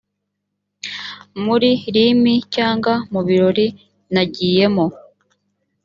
muri limi cyangwa mu birori nagiyemo